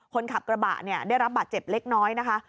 คนขับกระบะเนี่ยได้รับบาดเจ็บเล็กน้อยนะคะ